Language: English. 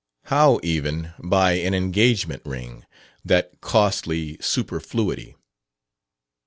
How, even, buy an engagement ring that costly superfluity?